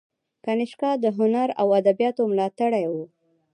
کنیشکا د هنر او ادبیاتو ملاتړی و